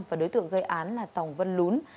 và đối tượng gây án là tòng văn lún